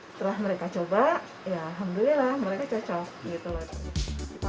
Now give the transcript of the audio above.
setelah mereka coba ya alhamdulillah mereka cocok gitu loh